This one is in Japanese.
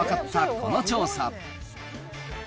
この調査。